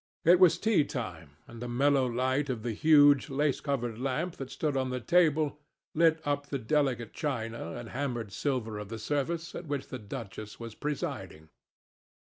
It was tea time, and the mellow light of the huge, lace covered lamp that stood on the table lit up the delicate china and hammered silver of the service at which the duchess was presiding.